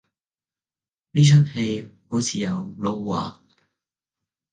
呢齣戲好似有撈話